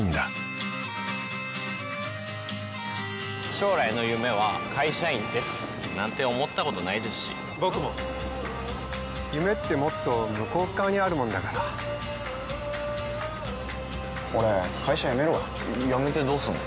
将来の夢は会社員です、なんて思ったことないですし僕も夢ってもっと向こう側にあるものだからオレ、会社辞めるわやめてどうすんの？